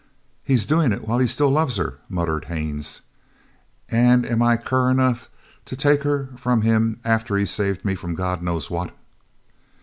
"He's doing it while he still loves her," muttered Haines, "and am I cur enough to take her from him after he has saved me from God knows what?"